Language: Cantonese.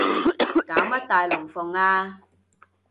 搞乜大龍鳳啊